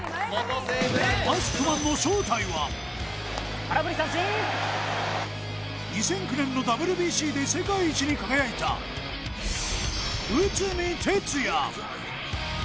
マスクマンの正体は、２００９年のＷＢＣで世界一に輝いた内海哲也。